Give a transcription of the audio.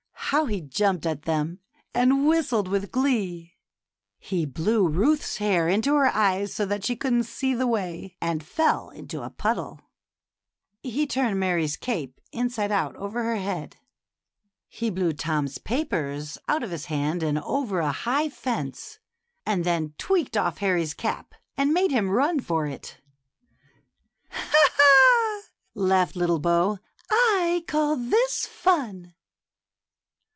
How he jumped at them, and whistled with glee ! He blew Ruth's hair into her eyes so that she couldn't see the way, and fell into a puddle ; he turned Mary's cape inside out over her head ; he blew Tom's papers out of his hand and over a high fence, and then tweaked off Harry's cap, and made him run for it. Ha ! ha !" laughed little Bo ; I call this fun."